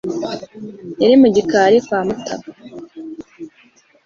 yari mu gikari kwa Mutaga.